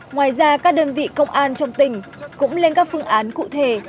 ngoài ra các đơn vị công an trong tỉnh cũng lên các phương án cụ thể